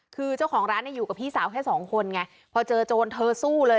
คือเจ้าของร้านเนี่ยอยู่กับพี่สาวแค่สองคนไงพอเจอโจรเธอสู้เลย